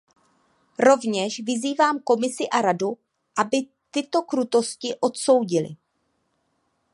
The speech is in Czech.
Rovněž vyzývám Komisi a Radu, aby tyto krutosti odsoudily.